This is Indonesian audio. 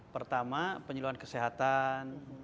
pertama penyuluhan kesehatan